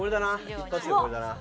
一発でこれだな。